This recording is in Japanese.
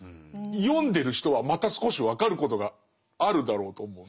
読んでる人はまた少し分かることがあるだろうと思うんです。